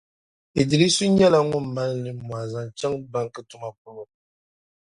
Iddrisu nyɛla ŋun mali nimmɔhi zaŋ chaŋ banki tuma polo.